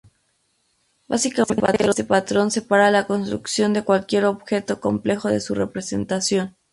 Básicamente este patrón separa la construcción de cualquier objeto complejo de su representación.